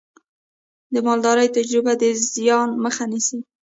د مالدارۍ تجربه د زیان مخه نیسي.